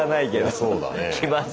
そうだね。